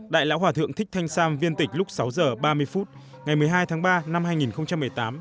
đại lão hòa thượng thích thanh sam viên tịch lúc sáu h ba mươi phút ngày một mươi hai tháng ba năm hai nghìn một mươi tám